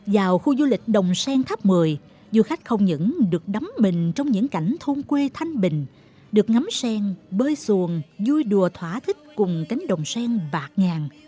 vào khu du lịch đồng sen tháp một mươi du khách không những được đắm mình trong những cảnh thôn quê thanh bình được ngắm sen bơi xuồng vui đùa thỏa thích cùng cánh đồng sen vạt ngàn